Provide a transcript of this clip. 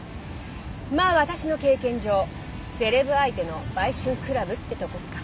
まあ私の経験上セレブ相手の売春クラブってとこか。